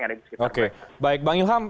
yang ada di sekitar mereka oke baik bang ilham